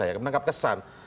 kalau saya menangkap kesan